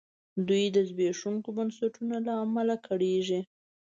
دوی د زبېښونکو بنسټونو له امله کړېږي.